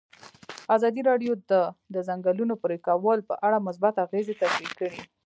ازادي راډیو د د ځنګلونو پرېکول په اړه مثبت اغېزې تشریح کړي.